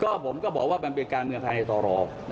ก็ผมก็บอกว่าเป็นเป็นการเมื่อคาในตรอ